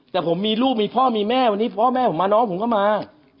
แต่ผมมีลูกมีพ่อมีแม่วันนี้พ่อแม่ผมมาน้องผมก็มา